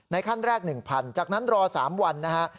ในขั้นแรก๑๐๐๐จากนั้นรอ๓วันนะครับ